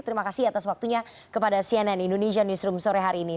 terima kasih atas waktunya kepada cnn indonesia newsroom sore hari ini